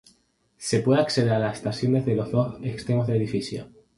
Se puede acceder a la estación desde los dos extremos del edificio.